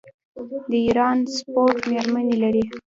د ایران سپورټ میرمنې لري.